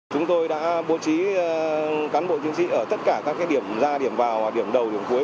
chúng tôi đã bố trí cán bộ chiến sĩ ở tất cả các điểm ra điểm vào điểm đầu điểm cuối